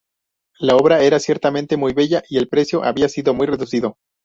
La obra era ciertamente muy bella y el precio había sido muy reducido.